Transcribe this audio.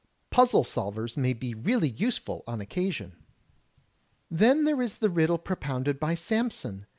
Puzzle solvers may be really useful on occasion. Then there is the riddle propounded by Samson.